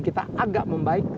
hidupan kita agak membaik